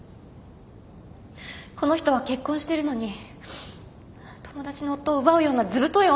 この人は結婚してるのに友達の夫を奪うようなずぶとい女なんです。